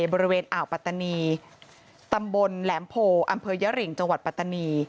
บริเวณอ่าวปัตตานีตำบลแหลมโพอำเภอยริงจังหวัดปัตตานี